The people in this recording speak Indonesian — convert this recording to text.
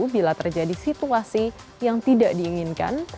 bila terjadi situasi yang tidak diinginkan